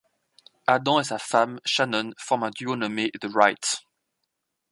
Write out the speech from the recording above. Adam et sa femme, Shannon, forment un duo nommé The Wrights.